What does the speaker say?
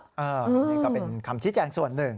อันนี้ก็เป็นคำชี้แจงส่วนหนึ่ง